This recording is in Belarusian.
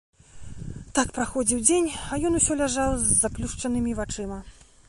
Так праходзіў дзень, а ён усё ляжаў з заплюшчанымі вачыма.